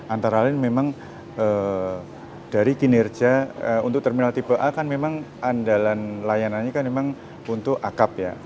antara lain memang dari kinerja untuk terminal tipe a kan memang andalan layanannya kan memang untuk akap ya